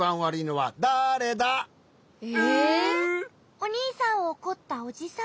おにいさんをおこったおじさん？